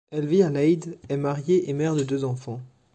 Elle vit à Leyde, est mariée et mère de deux enfants.